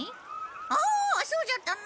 ああそうじゃったな。